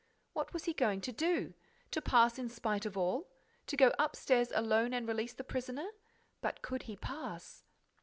What was he going to do? To pass in spite of all? To go upstairs alone and release the prisoner? But could he pass?